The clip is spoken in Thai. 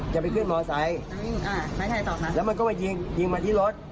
ใช้ชีวิตมาสองทั้งแหลก